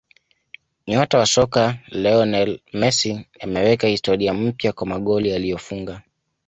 Nyota wa soka Lionel Messi ameweka historia mpya kwa magoli aliyofunga